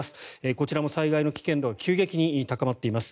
こちらも災害の危険度が急激に高まっています。